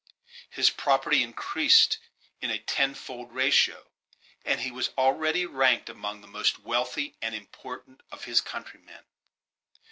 His property increased in a tenfold ratio, and he was already ranked among the most wealthy and important of his countrymen.